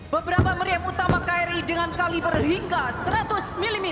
beberapa meriam utama kri dengan kaliber hingga seratus mm